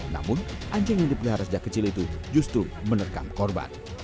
namun anjing yang dipelihara sejak kecil itu justru menerkam korban